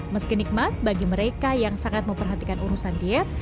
meski nikmat bagi mereka yang sangat memperhatikan urusan diet